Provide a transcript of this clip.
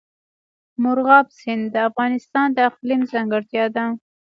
مورغاب سیند د افغانستان د اقلیم ځانګړتیا ده.